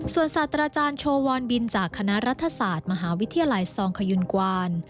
ส่วนศาสตราจารย์โชวรบินจากคณะรัฐศาสตร์มหาวิทยาลัยซองขยุนกวาน